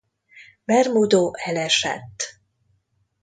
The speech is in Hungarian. Bermudo elesett.